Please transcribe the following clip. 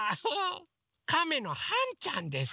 カメのはんちゃんです。